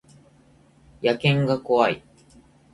野犬が怖い